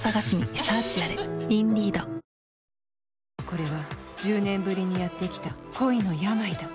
これは１０年ぶりにやってきた恋の病だ。